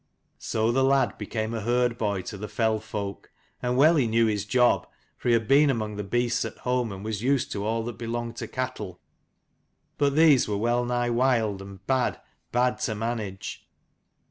So the lad became herdboy to the fell folk : and well he knew his job, for he had been among the beasts at home, and was used to all that belonged to cattle. But these were well nigh wild, and bad, bad to manage.